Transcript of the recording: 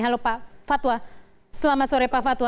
halo pak fatwa selamat sore pak fatwa